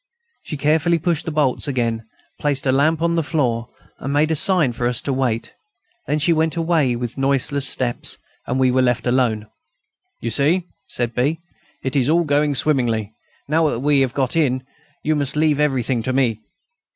She carefully pushed the bolts again, placed her lamp on the floor, and made a sign to us to wait. Then she went away with noiseless steps, and we were left alone. "You see," said B., "it is all going swimmingly. Now that we have got in, you must leave everything to me."